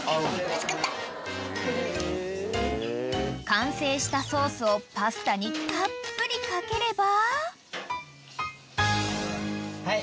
［完成したソースをパスタにたっぷり掛ければ］